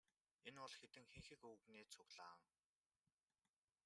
Энэ бол хэдэн хэнхэг өвгөний цуглаан.